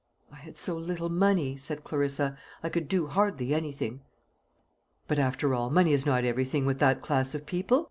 "I had so little money," said Clarissa, "I could do hardly anything." "But, after all, money is not everything with that class of people.